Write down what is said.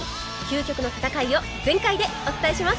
究極の戦いを全開でお伝えします。